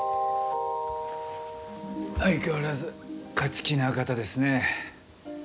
相変わらず勝ち気な方ですね。